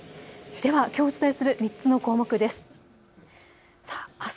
ではきょうお伝えする３つの項目です。